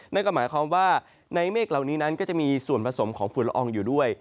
นั่นก็หมายความว่าในเมฆเหล่านี้นั้นก็จะมีส่วนผสมของฝุ่นละอองอยู่ด้วย